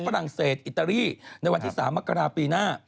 ฝรั่งเศสอิตาลีในวันที่๓มกราปีหน้า